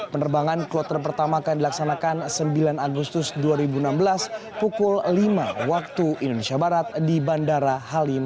penerbangan kloter pertama kembali